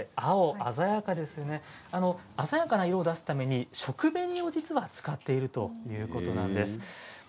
鮮やかな色を出すために食紅を実は使っているということなんです。